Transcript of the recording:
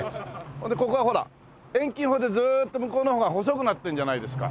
ほんでここはほら遠近法でずーっと向こうの方が細くなってるじゃないですか。